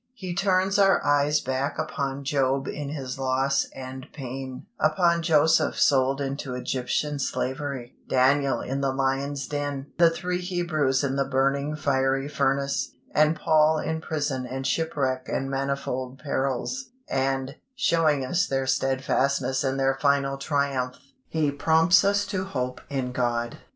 He turns our eyes back upon Job in his loss and pain; upon Joseph sold into Egyptian slavery; Daniel in the lions' den; the three Hebrews in the burning fiery furnace, and Paul in prison and shipwreck and manifold perils; and, showing us their steadfastness and their final triumph, He prompts us to hope in God.